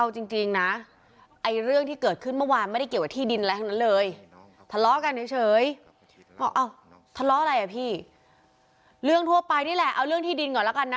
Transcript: เฉยอ้าวทะเลาะอะไรอ่ะพี่เรื่องทั่วไปนี่แหละเอาเรื่องที่ดินก่อนแล้วกันนะ